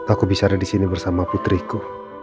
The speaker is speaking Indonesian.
aku bisa ada disini bersama putriku